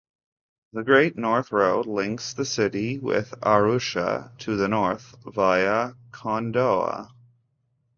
The Great North Road links the city with Arusha to the north, via Kondoa.